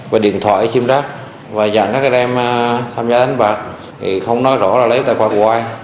và điện thoại xin rắc và dặn các em tham gia đánh bạc thì không nói rõ là lấy tài khoản của ai